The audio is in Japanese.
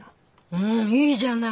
うんいいじゃない！